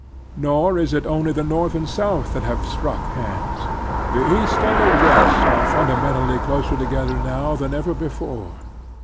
Nor is it only the North and the South that have struck hands. The East and the West are funda mentally closer together than ever before.